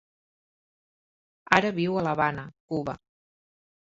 Ara viu a l'Havana, Cuba.